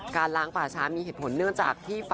การล้างป่าช้ามีเหตุผลเนื่องจากที่